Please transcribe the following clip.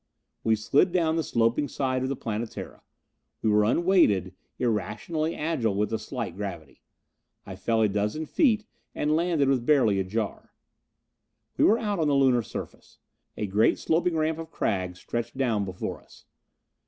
We slid down the sloping side of the Planetara. We were unweighted, irrationally agile with the slight gravity. I fell a dozen feet and landed with barely a jar. We were out on the Lunar surface. A great sloping ramp of crags stretched down before us.